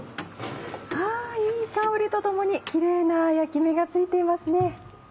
あいい香りとともにキレイな焼き目がついていますね。